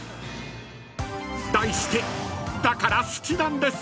［題してだから好きなんです！］